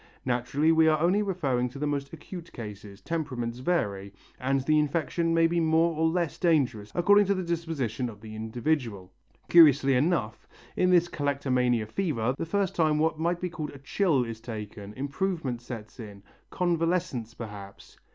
Naturally we are only referring to the most acute cases, temperaments vary, and the infection may be more or less dangerous according to the disposition of the individual. Curiously enough, in this Collectomania fever, the first time what might be called a chill is taken, improvement sets in, convalescence perhaps.